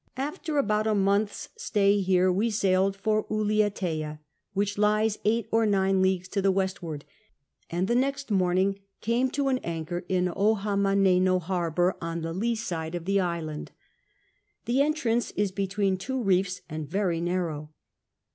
After about a month's stay here we sailed for Ulietea, which lies eight or nine leagues to the westward ; and the next morning came to an anchor in Ohamaneno Harbour, on the lee > side of the island. The entrance is between two reefs, and very narrow.